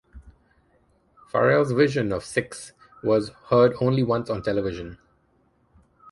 Farrell's version of Six was heard only once on television.